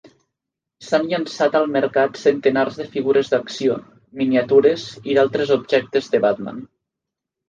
S'han llançat al mercat centenars de figures d'acció, miniatures i d'altres objectes de Batman.